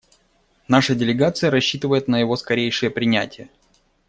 Наша делегация рассчитывает на его скорейшее принятие.